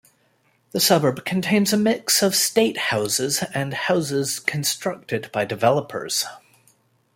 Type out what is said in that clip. The suburb contains a mix of state houses and houses constructed by developers.